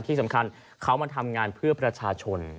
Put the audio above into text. ที่สำคัญเขามาทำงานเพื่อประชาชน